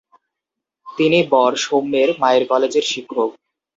তিনি বর সৌম্যের মায়ের কলেজের শিক্ষক।